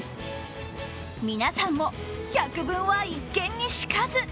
皆さんも百聞は一見にしかず。